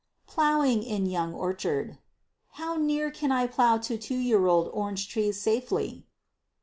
Plowing in Young Orchard. How near can I plow to two year old orange trees safely?